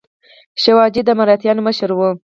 شیواجي د مراتیانو مشر و.